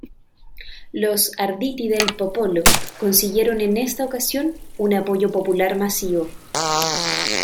Los "Arditi del Popolo" consiguieron en esta ocasión un apoyo popular masivo.